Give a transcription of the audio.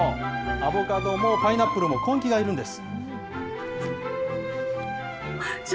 アボカドもパイナップルも根気がいるんです。